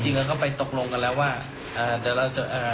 จริงก็ไปตกลงกันแล้วว่าเดี๋ยวเราจะ